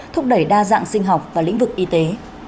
thúc đẩy đa dạng sinh học và lĩnh vực y tế